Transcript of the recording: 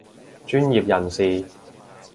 專業人士